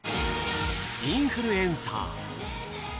インフルエンサー。